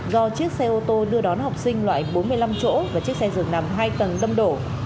do chiếc xe ô tô đưa đón học sinh loại bốn mươi năm chỗ và chiếc xe dường nằm hai tầng xâm đổ